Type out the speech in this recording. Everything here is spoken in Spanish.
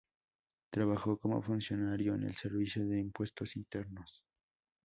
Trabajó como funcionario en el Servicio de Impuestos Internos.